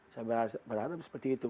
saya berharap seperti itu